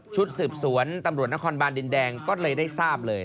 ชุดสืบสวนตำรวจนครบานดินแดงก็เลยได้ทราบเลย